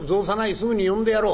すぐに呼んでやろう』。